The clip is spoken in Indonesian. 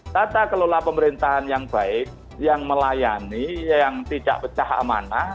tata kelola pemerintahan yang baik yang melayani yang tidak pecah amanah